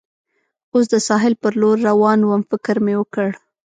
اوس د ساحل پر لور روان ووم، فکر مې وکړ.